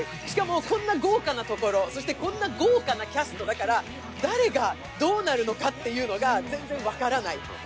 しかもこんな豪華な所、こんな豪華なキャストだから誰がどうなるのかっていうのが全然分からない。